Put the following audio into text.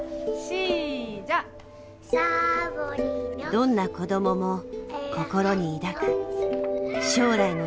どんな子どもも心に抱く将来の夢。